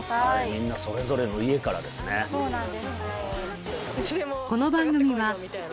みんなそれぞれの家からですねさあ